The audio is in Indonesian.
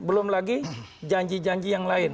belum lagi janji janji yang lain